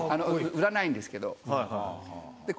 売らないんですけど。